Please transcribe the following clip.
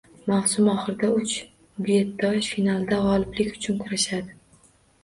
Mavsum oxirida uch duetdosh finalda g‘oliblik uchun kurashadi.